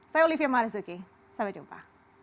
saya olivia marzuki sampai jumpa